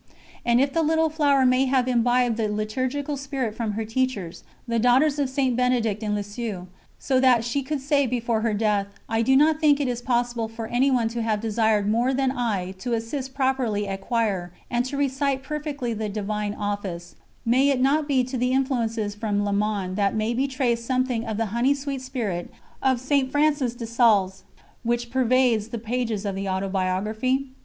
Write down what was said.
And if the Little Flower may have imbibed the liturgical spirit from her teachers, the daughters of St. Benedict in Lisieux, so that she could say before her death: "I do not think it is possible for anyone to have desired more than I to assist properly at choir and to recite perfectly the Divine Office" may it not be to the influences from Le Mans that may be traced something of the honey sweet spirit of St. Francis de Sales which pervades the pages of the Autobiography?